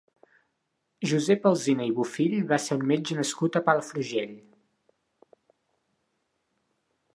Josep Alsina i Bofill va ser un metge nascut a Palafrugell.